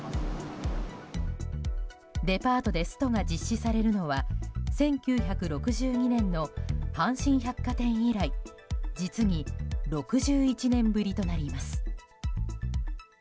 デパートでストが実施されるのは１９６２年の阪神百貨店以来実に６１年ぶりとなります。